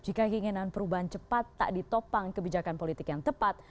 jika keinginan perubahan cepat tak ditopang kebijakan politik yang tepat